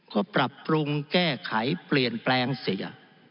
ก็ปรับปรุงแก้ไขเปลี่ยนแปลงเสีย